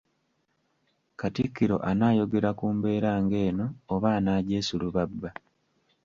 Katikkiro anaayogera ku mbeera ngéno oba anaagyesulubabba?